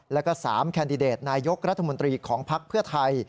แล้วก็๓แคนดิเดตนายกรัฐมนตรีของภักดิ์เพื่อไทย